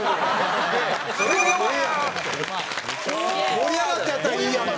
盛り上がったんやったらいいやんか。